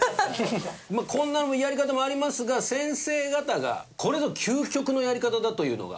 まあこんなやり方もありますが先生方がこれぞ究極のやり方だというのがあるという事で。